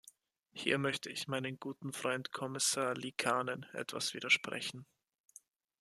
Hier möchte ich meinem guten Freund Kommissar Liikanen etwas widersprechen.